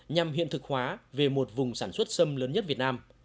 nhằm hiện thực hóa về một vùng sản xuất xâm lớn nhất việt nam